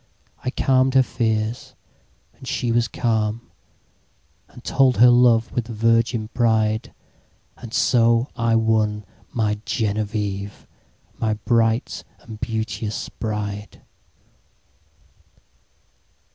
I calm'd her fears, and she was calm. And told her love with virgin pride; And so I won my Genevieve, My bright and beauteous Bride.